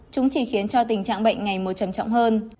chúng chỉ khiến cho tình trạng bệnh ngày mùa trầm trọng hơn